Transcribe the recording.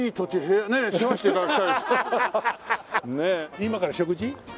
今から食事？